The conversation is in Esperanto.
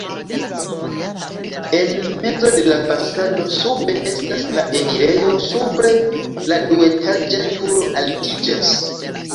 En mezo de la fasado sube estas la enirejo, supre la duetaĝa turo altiĝas.